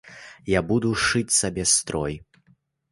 Я буду шыць сабе строй!